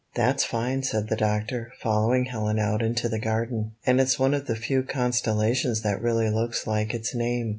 "That's fine," said the doctor, following Helen out into the garden. "And it's one of the few constellations that really looks like its name.